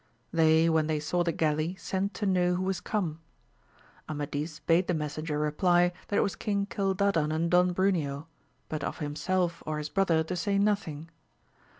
They when they saw the galley sent to know who was come. Amadis bade the messenger reply that it was King Cildadan and Don Bruneo, but of himself or his brother to say nothing.